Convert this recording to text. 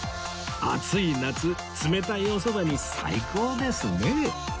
暑い夏冷たいおそばに最高ですね！